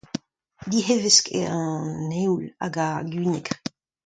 Dihevesk eo an eoul hag ar gwinêgr.